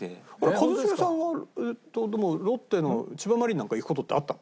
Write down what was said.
一茂さんはえーっとでもロッテの千葉マリンなんか行く事ってあったの？